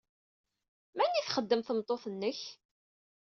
Mani ay txeddem tmeṭṭut-nnek?